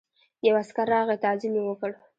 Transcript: یو عسکر راغی تعظیم یې وکړ.